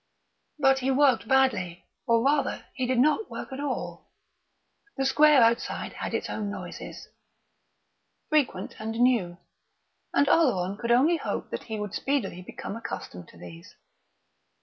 But he worked badly; or, rather, he did not work at all. The square outside had its own noises, frequent and new, and Oleron could only hope that he would speedily become accustomed to these.